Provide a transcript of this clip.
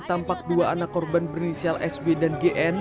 tampak dua anak korban berinisial sw dan gn